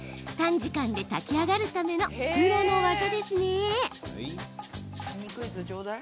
短時間で炊き上がるためのプロの技ですね。